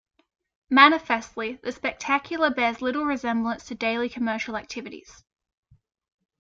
Manifestly the "spectacular" bears little resemblance to daily commercial activities.